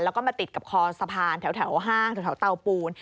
แล้วก็มาติดกับคอสะพานแถวห้างแถวเตาปูน